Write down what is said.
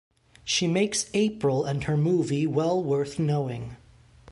She makes April and her movie well worth knowing.